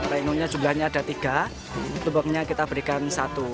rino nya jumlahnya ada tiga tumpengnya kita berikan satu